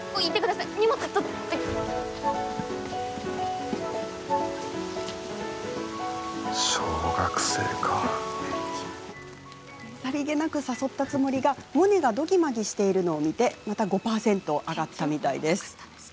さりげなく誘ったつもりがモネがどぎまぎしているのを見てまた５％上がったみたいです。